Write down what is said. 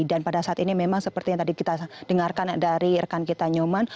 dan pada saat ini memang seperti yang tadi kita dengarkan dari rekan kita nyoman